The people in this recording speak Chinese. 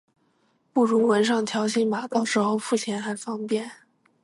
不如纹上条形码，到时候付钱还方便